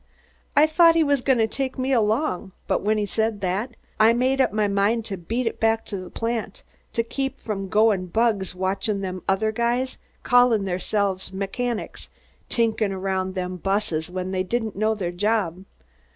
I thought he was goin' to take me along, but when he said that, I made up my mind to beat it back to the plant to keep from goin' bugs watchin' them other guys callin' theirselves mechanics, tinkerin' around them other busses when they didn't know their job.